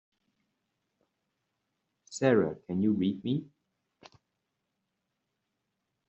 Sara can you read me?